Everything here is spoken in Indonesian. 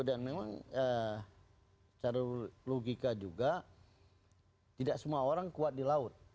dan memang secara logika juga tidak semua orang kuat di laut